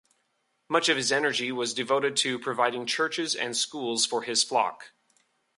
Much of his energy was devoted to providing churches and schools for his flock.